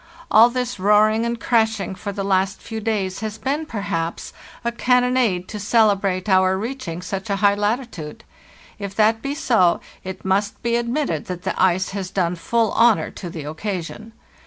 All this roaring and crashing for the last few days has been, perhaps, a can nonade to celebrate our reaching such a high latitude. If that be so, it must be admitted that the ice has done full honor to the occasion.